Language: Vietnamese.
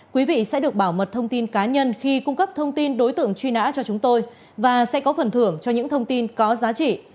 quý vị sẽ được bảo mật thông tin cá nhân khi cung cấp thông tin đối tượng truy nã cho chúng tôi và sẽ có phần thưởng cho những thông tin có giá trị